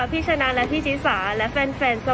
พี่ชนะและพี่ชิสาและแฟนก็